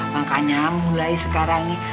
makanya mulai sekarang nih